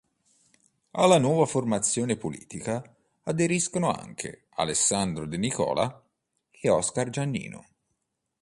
Alla nuova formazione politica aderiscono anche Alessandro De Nicola e Oscar Giannino.